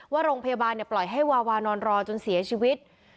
ว่าโรงพยาบาลปล่อยให้วาวานอนรอจนเสียชีวิต